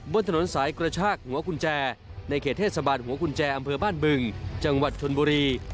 บนถนนสายกระชากหัวกุญแจในเขตเทศบาลหัวกุญแจอำเภอบ้านบึงจังหวัดชนบุรี